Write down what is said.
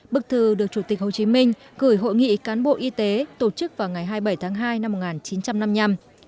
bức thư được chủ tịch hồ chí minh gửi hội nghị cán bộ y tế tổ chức vào ngày hai mươi bảy tháng hai năm một nghìn chín trăm năm mươi năm